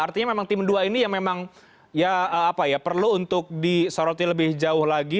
artinya memang tim dua ini yang memang perlu disorotin lebih jauh lagi